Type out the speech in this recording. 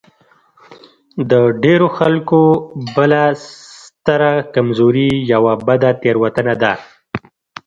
د ډېرو خلکو بله ستره کمزوري يوه بده تېروتنه ده.